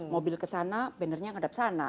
mobil ke sana bannernya ada di sana